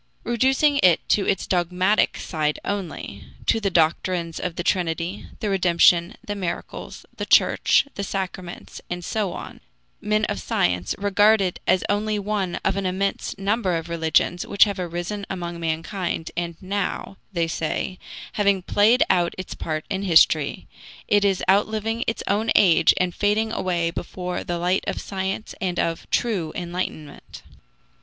Reducing it to its dogmatic side only to the doctrines of the Trinity, the redemption, the miracles, the Church, the sacraments, and so on men of science regard it as only one of an immense number of religions which have arisen among mankind, and now, they say, having played out its part in history, it is outliving its own age and fading away before the light of science and of true enlightenment.